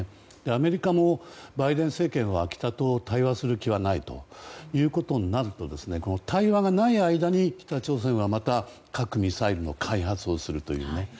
アメリカもバイデン政権は北と対話する気はないということになるとこの対話がない間に北朝鮮はまた核・ミサイルの開発をするというね。